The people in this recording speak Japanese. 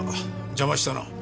邪魔したな。